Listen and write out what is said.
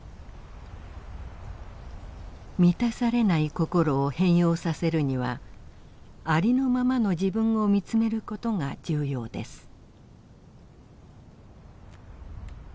満たされない心を変容させるにはありのままの自分を見つめる事が重要です。